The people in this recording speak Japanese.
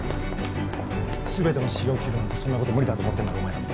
全ての腫瘍を切るなんてそんな事無理だと思ってるんだろ？